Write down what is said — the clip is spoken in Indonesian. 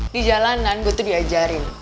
di jalanan gue tuh diajarin